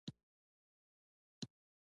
ټېکنالوژيکي بدلون دلایلو دي.